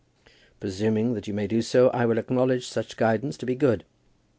Presuming that you may do so, I will acknowledge such guidance to be good.